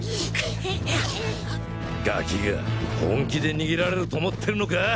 ガキが本気で逃げられると思ってるのか？